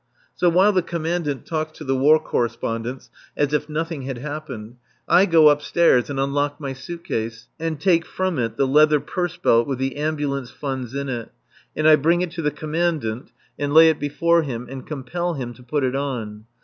So, while the Commandant talks to the War Correspondents as if nothing had happened, I go upstairs and unlock my suit case and take from it the leather purse belt with the Ambulance funds in it, and I bring it to the Commandant and lay it before him and compel him to put it on.